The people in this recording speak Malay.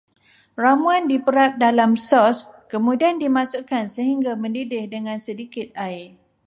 Ramuan diperap di dalam sos, kemudian dimasukkan sehingga mendidih dengan sedikit air